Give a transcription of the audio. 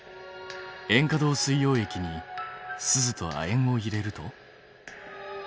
３塩化銅水溶液にスズと亜鉛を入れると？